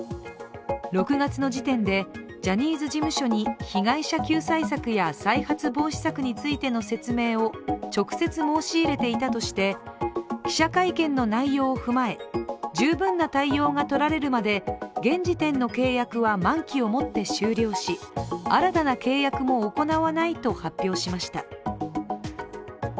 ６月の時点でジャニーズ事務所に被害者救済策や再発防止策についての説明を直接申し入れていたとして記者会見の内容を踏まえ十分な対応がとられるまで現時点の契約は満期をもって終了し新たな契約も行わないと発表しました。